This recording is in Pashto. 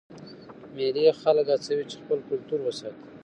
مېلې خلک هڅوي چې خپل کلتور وساتي.